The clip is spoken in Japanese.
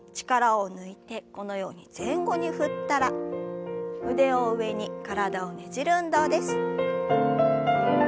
力を抜いてこのように前後に振ったら腕を上に体をねじる運動です。